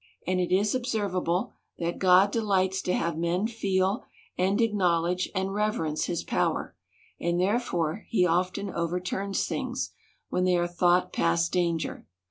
And it is observable, that God delights to have men feel, and acknowledge, and reverence his power ; and there fore he often overturns things, when they are thought past danger.